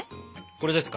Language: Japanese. これですか？